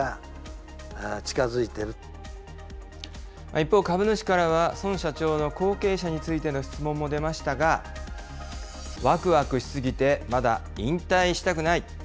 一方、株主からは、孫社長の後継者についての質問も出ましたが、わくわくしすぎて、まだ引退したくない。